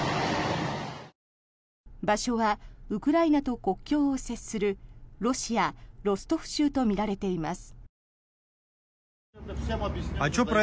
場所はウクライナと国境を接するロシア・ロストフ州とみられています。